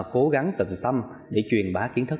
cố gắng tận tâm để truyền bá kiến thức